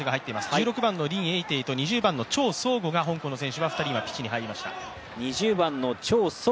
１６番のリン・エイテイと２０番のチョウ・ソウゴが香港はピッチに入りました。